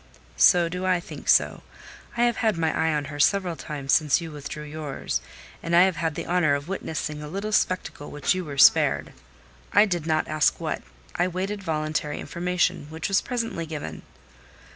"So do I think so. I have had my eye on her several times since you withdrew yours; and I have had the honour of witnessing a little spectacle which you were spared." I did not ask what; I waited voluntary information, which was presently given.